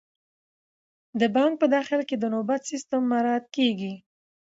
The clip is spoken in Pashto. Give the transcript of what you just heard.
د بانک په داخل کې د نوبت سیستم مراعات کیږي.